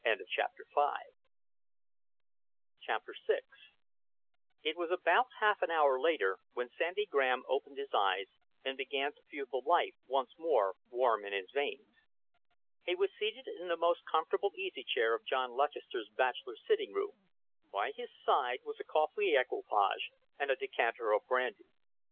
CHAPTER VI It was about half an hour later when Sandy Graham opened his eyes and began to feel the life once more warm in his veins. He was seated in the most comfortable easy chair of John Lutchester's bachelor sitting room. By his side was a coffee equipage and a decanter of brandy.